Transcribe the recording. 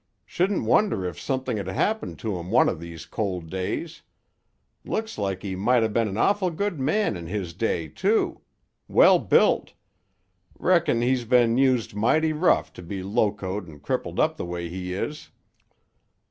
Shouldn't wonder if something'd happen to him one o' these cold days. Looks like he might 'a' been an awful good man in his day, too. Well built. Reckon he's been used mighty rough to be locoed and crippled up the way he is."